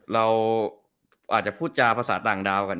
เราอาจจะพูดจาภาษาต่างดาวกัน